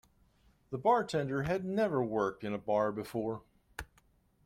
The bartender had never worked in a bar before